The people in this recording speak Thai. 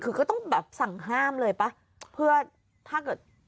คือก็ต้องแบบสั่งห้ามเลยป่ะเพื่อถ้าเกิด